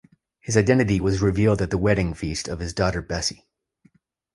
His identity was revealed at the wedding feast of his daughter Bessie.